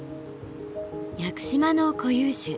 屋久島の固有種